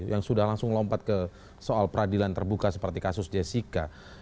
yang sudah langsung lompat ke soal peradilan terbuka seperti kasus jessica